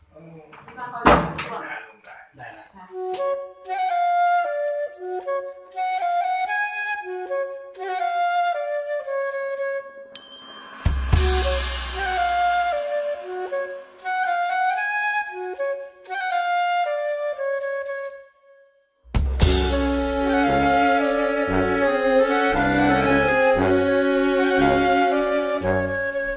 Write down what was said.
เมื่อมันเข้าไปในบ้านตายยังไง